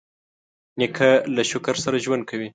نیکه له شکر سره ژوند کوي.